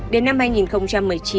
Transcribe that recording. đến năm hai nghìn một mươi chín